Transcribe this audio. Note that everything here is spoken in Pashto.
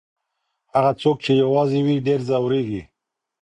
هغه څوک چي يوازې وي ډېر ځوريږي.